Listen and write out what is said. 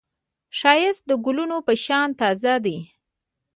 ښایست د ګلونو په شان تازه دی